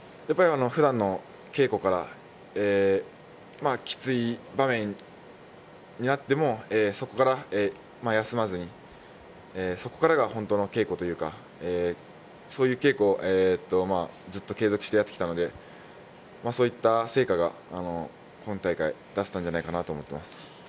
普段の稽古からきつい場面になっても、そこから休まずに、そこからく本当の稽古というかそういう稽古をずっと継続してやってきたので、そういった成果が今大会出せたんじゃないかなと思います。